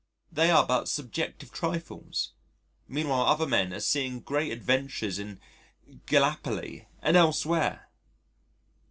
They are but subjective trifles meanwhile other men are seeing great adventures in Gallipoli and elsewhere.